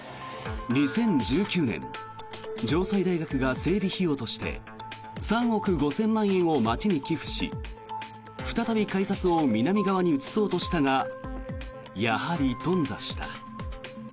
２０１９年、城西大学が整備費用として３億５０００万円を町に寄付し再び改札を南側に移そうとしたがやはり頓挫した。